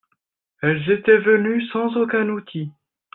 Elles étaient venus sans aucun outil.